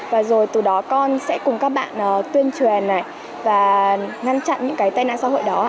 và rồi từ đó con sẽ cùng các bạn tuyên truyền này và ngăn chặn những cái tệ nạn xã hội đó